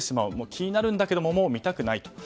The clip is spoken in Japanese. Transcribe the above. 気になるんだけどもう見たくないと。